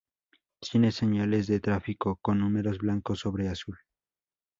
Tienen señales de tráfico con números blancos sobre azul.